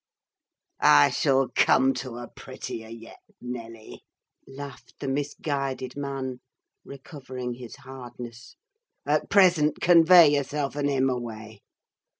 "I shall come to a prettier, yet, Nelly," laughed the misguided man, recovering his hardness. "At present, convey yourself and him away.